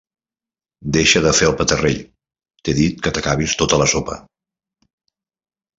Deixa de fer el petarrell: t'he dit que t'acabis tota la sopa.